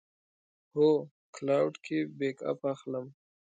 هو، کلاوډ کې بیک اپ اخلم